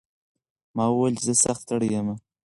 ما وویل چې زه سخت ستړی یم.